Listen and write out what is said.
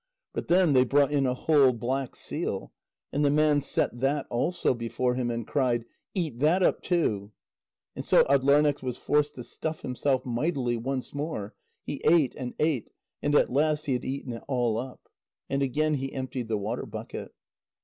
But then they brought in a whole black seal. And the man set that also before him, and cried: "Eat that up too." And so Atdlarneq was forced to stuff himself mightily once more. He ate and ate, and at last he had eaten it all up. And again he emptied the water bucket.